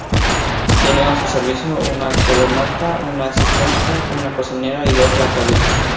Tiene a su servicio una gobernanta, una asistenta, una cocinera y dos lacayos.